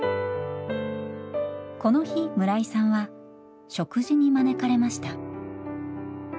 この日村井さんは食事に招かれました。